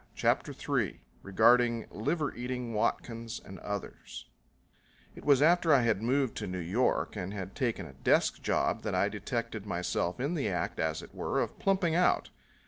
CHAPTER III Regarding Liver Eating Watkins and Others It was after I had moved to New York and had taken a desk job that I detected myself in the act, as it were, of plumping out.